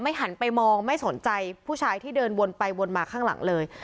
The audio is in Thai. หันไปมองไม่สนใจผู้ชายที่เดินวนไปวนมาข้างหลังเลย